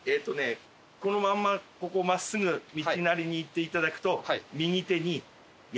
このまんまここを真っすぐ道なりに行っていただくと右手に。